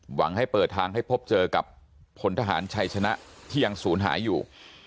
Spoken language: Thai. หวังให้เปิดทางให้พบเจอกับพลทหารชัยชนะที่ยังศูนย์หายอยู่